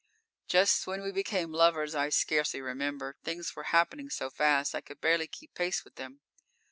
_ _Just when we became lovers, I scarcely remember. Things were happening so fast I could barely keep pace with them.